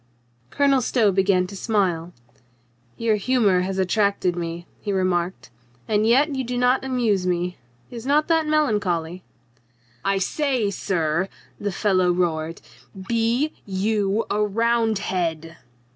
Colonel Stow began to smile. "Your humor has attracted me," he remarked, "and yet you do not amuse me. Is not that melancholy?" "I say, sir," the fellow roared, "be you a Round head?"